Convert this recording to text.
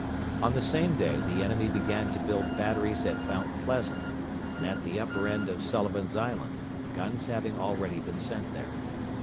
On the same day the enemy began to build batteries at Mount Pleasant, and at the upper end of Sullivan's Island, guns having already been sent there.